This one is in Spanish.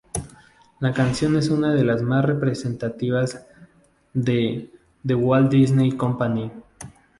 La canción es una de las más representativas de "The Walt Disney Company".